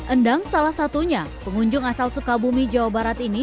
endang salah satunya pengunjung asal sukabumi jawa barat ini